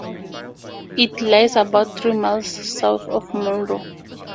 It lies about three miles south of Monroe.